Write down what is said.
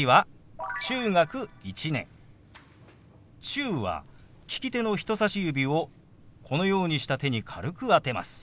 「中」は利き手の人さし指をこのようにした手に軽く当てます。